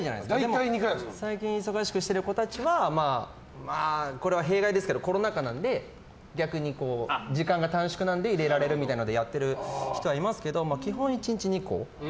でも最近忙しくしている子たちはまあこれは弊害ですけどコロナ禍なので逆に時間が短縮なので入れられるみたいなのでやってる人はいますけど基本、１日２個。